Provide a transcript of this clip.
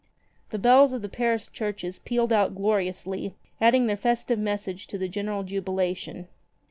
The bells of the Paris churches pealed out gloriously, adding their festive message to the general jubilation.